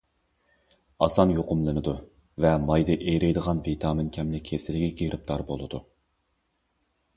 ئاسان يۇقۇملىنىدۇ ۋە مايدا ئېرىيدىغان ۋىتامىن كەملىك كېسىلىگە گىرىپتار بولىدۇ.